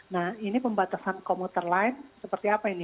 nah ini pembatasan komuter lain seperti apa ini